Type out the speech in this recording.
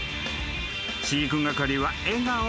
［飼育係は笑顔］